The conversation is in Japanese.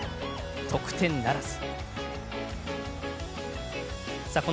得点ならず。